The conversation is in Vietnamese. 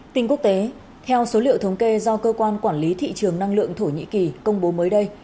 tin quốc tế theo số liệu thống kê do cơ quan quản lý thị trường năng lượng thổ nhĩ kỳ công bố mới đây